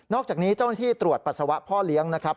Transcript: อกจากนี้เจ้าหน้าที่ตรวจปัสสาวะพ่อเลี้ยงนะครับ